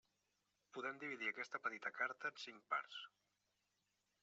Podem dividir aquesta petita carta en cinc parts.